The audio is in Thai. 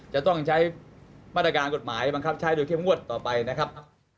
จะต้องใช้มาตรการกฎหมายบังคับใช้โดยเข้มงวดต่อไปนะครับ